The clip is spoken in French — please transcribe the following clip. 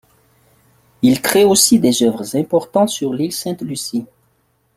Il crée aussi des œuvres importantes sur l’Île Sainte-Lucie.